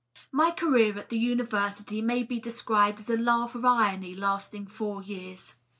My career at the University may be described as a laugh of irony lasting four years.